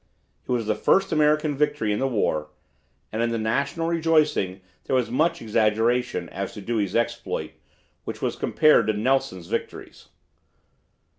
It was the first American victory in the war, and in the national rejoicing there was much exaggeration as to Dewey's exploit, which was compared to Nelson's victories!